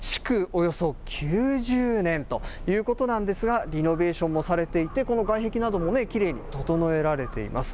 およそ９０年ということなんですが、リノベーションもされていて、この外壁などもきれいに整えられています。